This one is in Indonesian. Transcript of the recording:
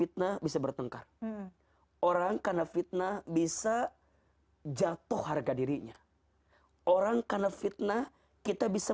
fitnah bisa bertengkar orang karena fitnah bisa jatuh harga dirinya orang karena fitnah kita bisa